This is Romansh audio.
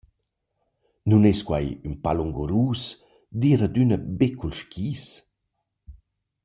Nun es quai ün pa lungurus dad ir adüna be culs skis?